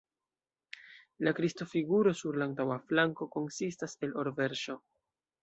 La Kristo-figuro sur la antaŭa flanko konsistas el or-verŝo.